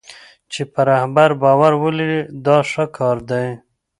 چې په رهبر باور ولري دا ښه کار دی.